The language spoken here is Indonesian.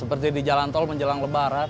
seperti di jalan tol menjelang lebaran